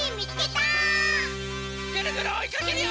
ぐるぐるおいかけるよ！